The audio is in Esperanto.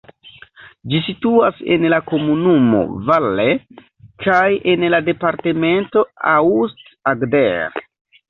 Ĝi situas en la komunumo Valle kaj en la departemento Aust-Agder.